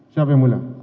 siap yang mulia